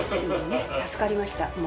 助かりました。